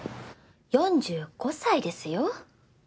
４５歳ですよ？